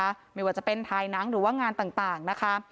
ทั้งหมดนะคะไม่ว่าจะเป็นถ่ายหนังหรือว่างานต่างนะคะ